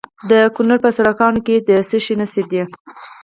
د کونړ په سرکاڼو کې د څه شي نښې دي؟